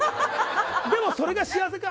でもそれが幸せか。